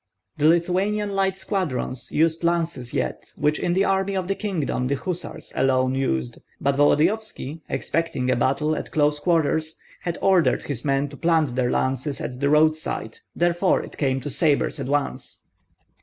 The Lithuanian light squadrons used lances yet, which in the army of the kingdom the hussars alone used; but Volodyovski expecting a battle at close quarters, had ordered his men to plant their lances at the roadside, therefore it came to sabres at once.